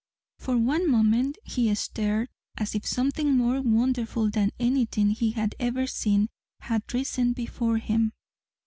For one moment he stared as if something more wonderful than anything he had ever seen had risen before him.